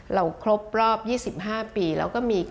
เราครบรอบ๒๕ปี